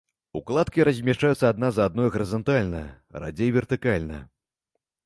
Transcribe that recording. Укладкі размяшчаюцца адна за адной гарызантальна, радзей вертыкальна.